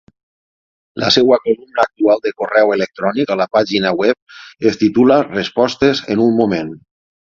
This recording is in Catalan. La seva columna actual de correu electrònic a la pàgina web es titula "Respostes en un moment".